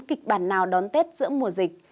kịch bản nào đón tết giữa mùa dịch